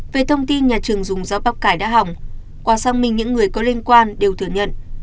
về thông tin nhà trường dùng gió bóc cải đã hỏng qua xác minh những người có liên quan đều thừa nhận